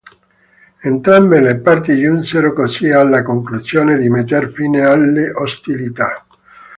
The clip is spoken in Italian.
Entrambe le parti giunsero così alla conclusione di metter fine alle ostilità.